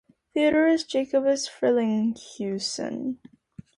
Theodorus Jacobus Frelinghuysen.